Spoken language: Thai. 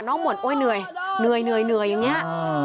น้องเหมือนเหนื่อยอย่างนี้